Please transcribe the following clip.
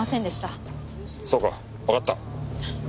そうかわかった。